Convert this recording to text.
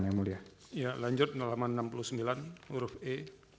ya lanjut nolaman enam puluh sembilan huruf e